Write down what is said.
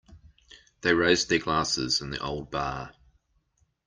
They raised their glasses in the old bar.